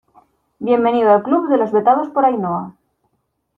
bienvenido al club de los vetados por Ainhoa.